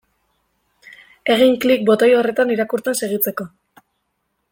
Egin klik botoi horretan irakurtzen segitzeko.